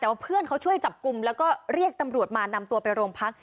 แต่ว่าเพื่อนเขาช่วยจับกลุ่มแล้วก็เรียกตำรวจมานำตัวไปโรงพัก